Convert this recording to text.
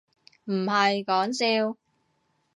唔係講笑